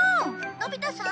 「のび太さん